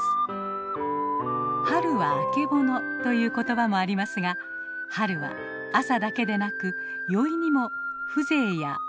「春はあけぼの」ということばもありますが春は朝だけでなく宵にも風情や趣が感じられます。